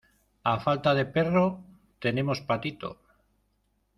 a falta de perro, tenemos patito.